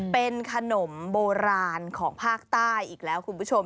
เป็นขนมโบราณของภาคใต้อีกแล้วคุณผู้ชม